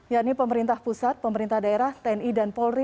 yakni pemerintah pusat pemerintah daerah tni dan polri